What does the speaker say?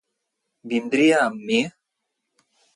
Vindria amb mi?